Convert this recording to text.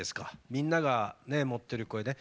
みんなが持ってる声ね。